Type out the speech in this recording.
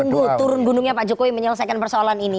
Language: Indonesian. tunggu turun gunungnya pak jokowi menyelesaikan persoalan ini